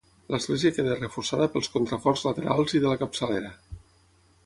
L'església queda reforçada pels contraforts laterals i de la capçalera.